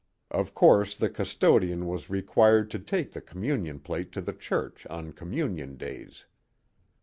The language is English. Of course the custodian was required to take the com* munion plate to the church on communion days.